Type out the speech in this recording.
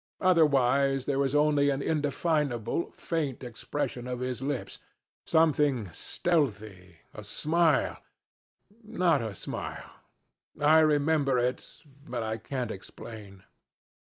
Otherwise there was only an indefinable, faint expression of his lips, something stealthy a smile not a smile I remember it, but I can't explain.